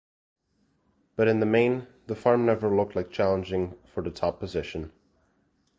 But in the main, the Farm never looked liked challenging for the top spot.